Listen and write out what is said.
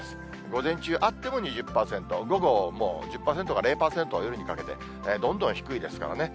午前中、あっても２０％、午後も１０％から０％、夜にかけて、どんどん低いですからね。